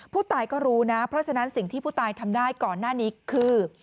ผู้ตายก็รู้นะเพราะฉะนั้นสิ่งที่ผู้ตายทำได้ก่อนหน้านี้คือ